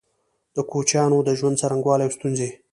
د کوچيانو د ژوند څرنګوالی او ستونزي